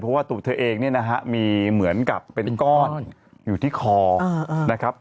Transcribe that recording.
เพราะว่าตรวจเธอเองมีเหมือนกับเป็นก้อนอยู่ที่คอนะครับ